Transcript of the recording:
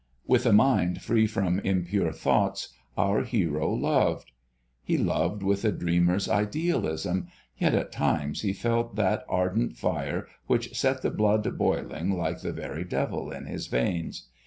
With a mind free from impure thoughts, our hero loved. He loved with a dreamer's idealism, yet at times he felt that ardent fire which set the blood boiling like the very devil in his veins.